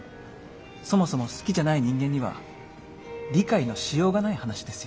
そもそも好きじゃない人間には理解のしようがない話ですよ。